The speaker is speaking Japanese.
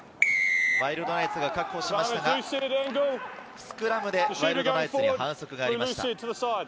ワイルドナイツが確保しましたが、スクラムでワイルドナイツに反則がありました。